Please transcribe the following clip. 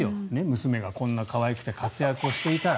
娘がこんな可愛くて活躍をしていたら。